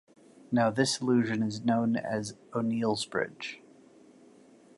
Now this illusion is known as O'Neill's Bridge.